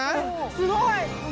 すごい！